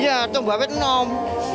iya tombolnya senang